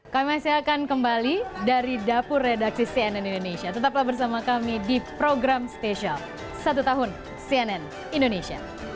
kami masih akan kembali dari dapur redaksi cnn indonesia tetaplah bersama kami di program spesial satu tahun cnn indonesia